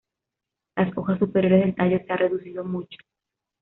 Las hojas superiores del tallo se ha reducido mucho.